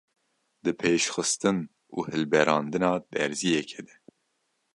di pêşxistin û hilberandina derziyekê de.